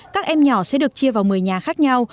các em nhỏ sẽ được chia vào một mươi nhà khác nhau